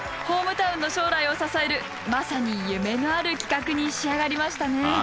ホームタウンの将来を支えるまさに夢のある企画に仕上がりましたね。